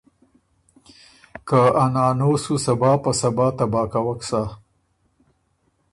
که ا نانو سُو صبا په صبا تباه کوَک سۀ۔